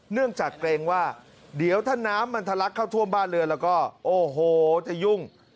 เนื่องจากเกรงว่าเดี๋ยวถ้าน้ำมันทะลักเข้าท่วมบ้านเรือนแล้วก็โอ้โหจะยุ่ง